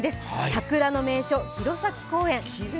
桜の名所、弘前公園。